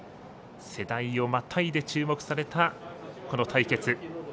世代をまたいで注目されたこの対決。